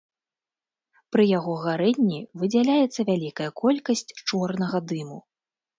Пры яго гарэнні выдзяляецца вялікая колькасць чорнага дыму.